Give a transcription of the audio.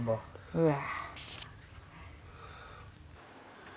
うわ。